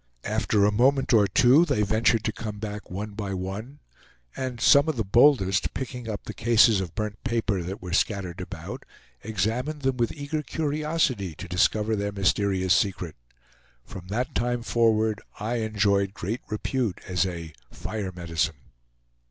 After a moment or two, they ventured to come back one by one, and some of the boldest, picking up the cases of burnt paper that were scattered about, examined them with eager curiosity to discover their mysterious secret. From that time forward I enjoyed great repute as a "fire medicine."